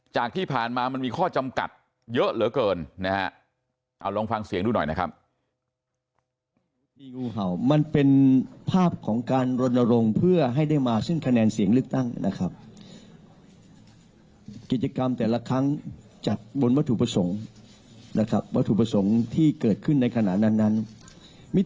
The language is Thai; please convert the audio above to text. จากที่ผ่านมามันมีข้อจำกัดเยอะเหลือเกินนะฮะเอาลองฟังเสียงดูหน่อยนะครับ